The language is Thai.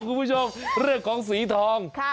คุณผู้ชมเรื่องของสีทอง